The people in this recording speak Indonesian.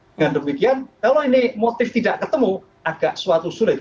dengan demikian kalau ini motif tidak ketemu agak suatu sulit